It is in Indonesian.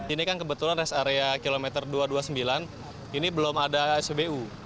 ini kan kebetulan rest area kilometer dua ratus dua puluh sembilan ini belum ada cbu